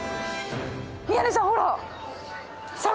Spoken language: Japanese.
宮根さんほら。